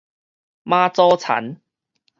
媽祖田